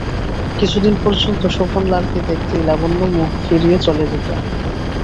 কিছুদিন পর্যন্ত শোভনলালকে দেখলেই লাবণ্য মুখ ফিরিয়ে চলে যেত।